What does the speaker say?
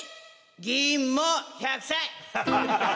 ぎんも１００歳。